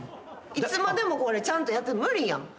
いつまでもちゃんとやってん無理やん。